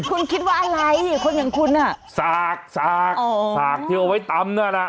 คุณคิดว่าอะไรเลยลูกสากที่เอาไว้ตำนั่น